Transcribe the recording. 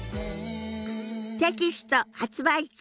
テキスト発売中。